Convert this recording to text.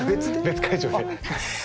別会場で。